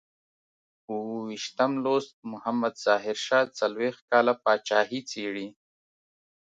اوو ویشتم لوست محمد ظاهر شاه څلویښت کاله پاچاهي څېړي.